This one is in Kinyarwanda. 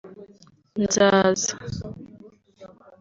Nzaza